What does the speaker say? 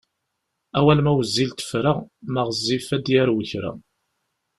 Awal ma wezzil tefra, ma ɣezzif ad d-yarew kra.